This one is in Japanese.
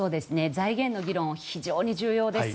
財源の議論は非常に重要です。